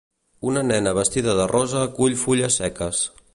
Una nena vestida de rosa cull fulles seques.